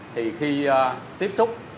thì khi tiếp xúc